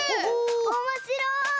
おもしろい！